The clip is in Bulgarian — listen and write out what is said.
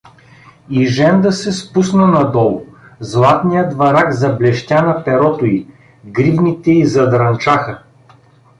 И Женда се спусна надолу, златният варак заблещя на перото й, гривните й задрънчаха.